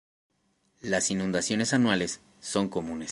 Las inundaciones anuales son comunes.